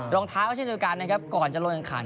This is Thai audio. รองท้างก็เช่นเดียวกันก่อนจะนอนกับขัน